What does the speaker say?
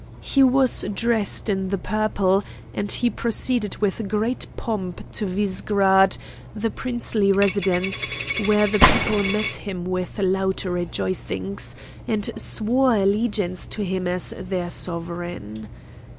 He was dressed in the purple, and he proceeded with great pomp to Vizegrad, the princely residence, where the people met him with loud rejoicings, and swore allegiance to him as their sovereign.